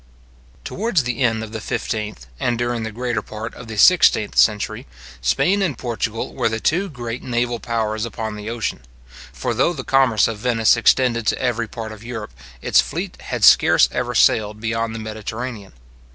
Towards the end of the fifteenth, and during the greater part of the sixteenth century, Spain and Portugal were the two great naval powers upon the ocean; for though the commerce of Venice extended to every part of Europe, its fleet had scarce ever sailed beyond the Mediterranean.